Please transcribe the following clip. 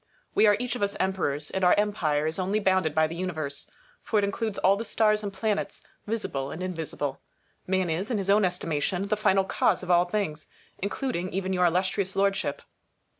We are each of us emperors, and our empire is only bounded by the Universe, for it includes all the stars and planets, visible and invisible. Man is, in his own estimation, the final cause of all things, including even your Illustrious Lordship.